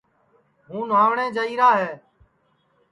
ہُوں نھُاٹؔیں جائیرا ہے